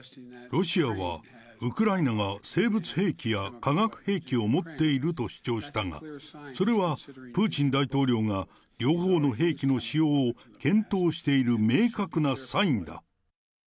ロシアはウクライナが生物兵器や化学兵器を持っていると主張したが、それは、プーチン大統領が両方の兵器の使用を検討している明確なサインだ。